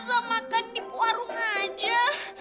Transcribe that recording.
asal makan di warung aja